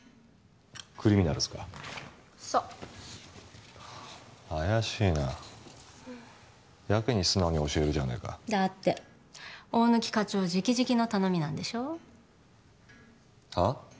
クリミナルズかそっ怪しいなやけに素直に教えるじゃねえかだって大貫課長直々の頼みなんでしょ？はあ？